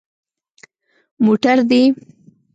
_موټر دي؟